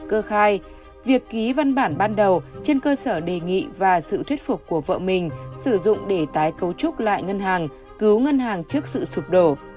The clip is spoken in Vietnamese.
cơ khai việc ký văn bản ban đầu trên cơ sở đề nghị và sự thuyết phục của vợ mình sử dụng để tái cấu trúc lại ngân hàng cứu ngân hàng trước sự sụp đổ